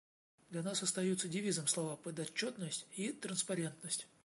Для нас остаются девизом слова «подотчетность» и «транспарентность».